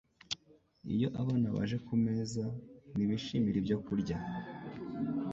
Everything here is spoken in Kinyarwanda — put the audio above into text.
Iyo abana baje ku meza, ntibishimira ibyokurya